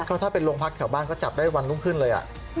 ก็ถ้าเป็นโรงพักแถวบ้านก็จับได้วันรุ่งขึ้นเลย